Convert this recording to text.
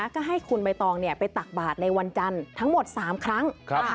ก็ให้คุณใบตองไปตักบาทในวันจันทร์ทั้งหมด๓ครั้ง